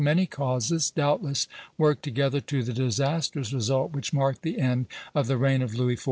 Many causes doubtless worked together to the disastrous result which marked the end of the reign of Louis XIV.